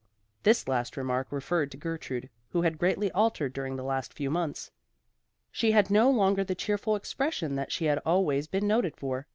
This last remark referred to Gertrude, who had greatly altered during the last few months. She had no longer the cheerful expression that she had always been noted for.